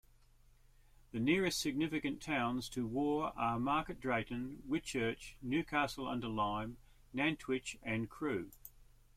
The nearest significant towns to Woore are Market Drayton, Whitchurch, Newcastle-under-Lyme, Nantwich and Crewe.